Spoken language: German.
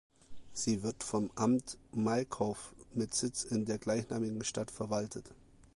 Sie wird vom Amt Malchow mit Sitz in der gleichnamigen Stadt verwaltet.